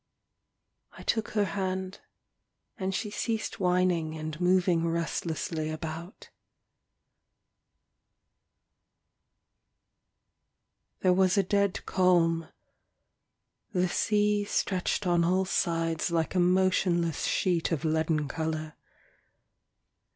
I took her hand, and she ceased whining and moving restlessly about. There was a dead calm. The sea stretched on all sides like a motionless sheet of leaden colour.